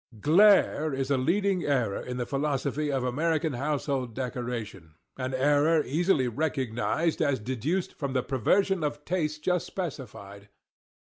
Glare is a leading error in the philosophy of American household decoration—an error easily recognised as deduced from the perversion of taste just specified.